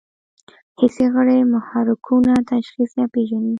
حسي غړي محرکونه تشخیص یا پېژني.